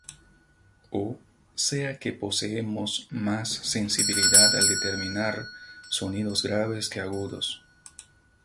O sea que poseemos más sensibilidad al determinar sonidos graves que agudos.